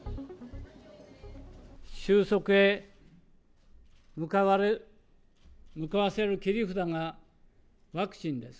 収束へ向かわせる切り札がワクチンです。